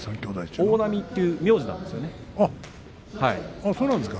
大波という名字なんですよ。